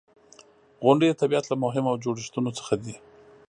• غونډۍ د طبیعت له مهمو جوړښتونو څخه دي.